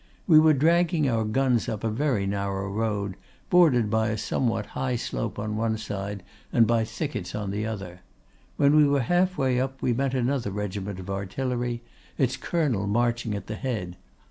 We were dragging our guns up a very narrow road, bordered by a somewhat high slope on one side, and by thickets on the other. When we were half way up we met another regiment of artillery, its colonel marching at the head.